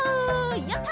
やった！